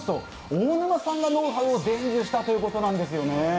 大沼さんがノウハウを伝授したということなんですよね。